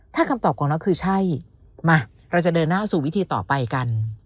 ถ้าคำตอบของเราคือใช่มาเราจะเดินหน้าสู่วิธีต่อไปกัน